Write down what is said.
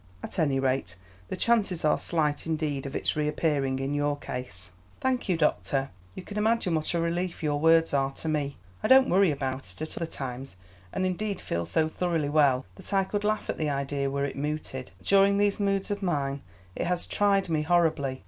At any rate the chances are slight indeed of its reappearing in your case." "Thank you, doctor; you can imagine what a relief your words are to me. I don't worry about it at other times, and indeed feel so thoroughly well, that I could laugh at the idea were it mooted; but during these moods of mine it has tried me horribly.